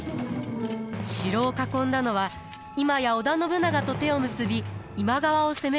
城を囲んだのは今や織田信長と手を結び今川を攻める家康でした。